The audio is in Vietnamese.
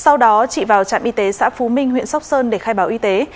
sau đó chị vào trạm y tế xã phú minh huyện sóc sơn để khai báo y tế